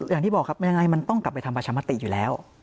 อย่างที่บอกครับยังไงมันต้องกลับไปทำประชามติอยู่แล้ว